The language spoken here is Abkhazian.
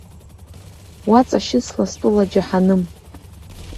Уаҵашьыцла стәыла џьаҳаным.